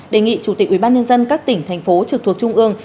đề nghị chủ tịch ubnd các tỉnh thành phố trực thuộc trung ương